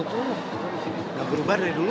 tante kamu tuh gak berubah dari dulu